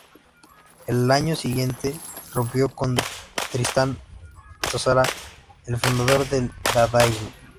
Al año siguiente rompió con Tristan Tzara, el fundador del dadaísmo.